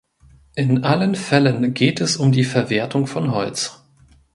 In allen Fällen geht es um die Verwertung von Holz.